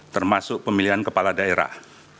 termasuk pemilihan kepala daerah